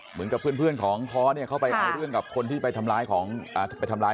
เหมือนกับเพื่อนของเนคอร์เนี่ยเขาไปเอาเรื่องกับคนที่ไปทำร้ายเขา